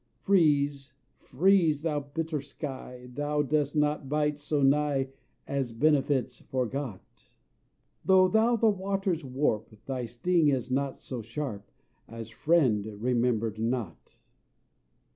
Freeze, freeze, thou bitter sky, Thou dost not bite so nigh As benefits forgot; Though thou the waters warp, Thy sting is not so sharp As friend remembered not.